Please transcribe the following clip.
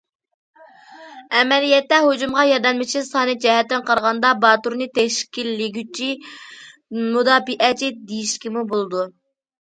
ئەمەلىيەتتە ھۇجۇمغا ياردەملىشىش سانى جەھەتتىن قارىغاندا، باتۇرنى‹‹ تەشكىللىگۈچى مۇداپىئەچى›› دېيىشكىمۇ بولىدۇ.